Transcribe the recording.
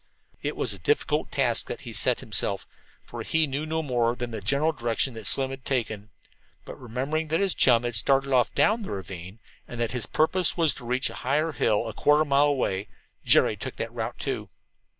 It was a difficult task that he set himself, for he knew no more than the general direction that Slim had taken. But remembering that his chum had started off down the ravine, and that his purpose was to reach a higher hill a quarter of a mile away, Jerry took that route, too.